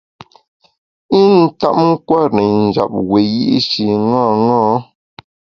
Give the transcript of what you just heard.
I ntap nkwer i njap wiyi’shi ṅaṅâ.